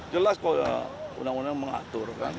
jelas kalau undang undang mengaturkan